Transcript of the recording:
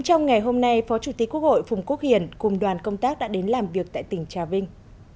trong ngày hôm nay phó chủ tịch quốc hội phùng quốc hiển cùng đoàn công tác đã đến làm việc tại tỉnh trà vinh